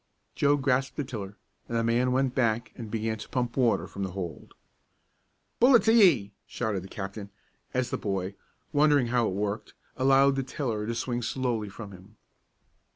Joe grasped the tiller, and the man went back and began to pump water from the hold. "Pull it to ye!" shouted the captain, as the boy, wondering how it worked, allowed the tiller to swing slowly from him.